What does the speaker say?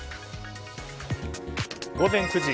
午前９時。